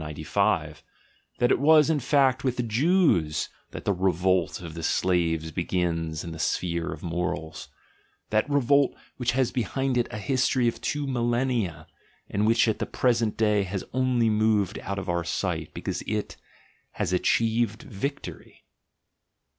195) — that it was, in fact, with the Jews that the revolt of the slaves begins in the sphere oj morals; that revolt which has behind it a history of two millennia, and which at the present day has only moved out of our sight, because it — has achieved victory.